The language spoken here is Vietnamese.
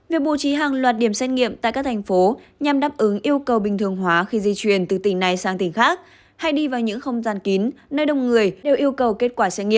việc bố trí hàng loạt điểm xét nghiệm tại các thành phố nhằm đáp ứng yêu cầu bình thường hóa khi di chuyển từ tỉnh này sang tỉnh khác hay đi vào những không gian kín nơi đông người đều yêu cầu kết quả xét nghiệm